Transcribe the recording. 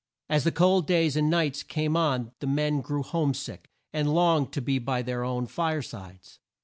As the cold days and nights came on the men grew home sick, and longed to be by their own fire sides.